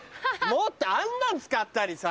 もっとあんなん使ったりさ。